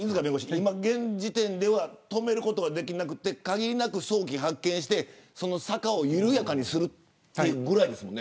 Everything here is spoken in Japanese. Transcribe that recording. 今、現時点では止めることはできなくて限りなく早期発見してその坂を緩やかにするくらいですよね。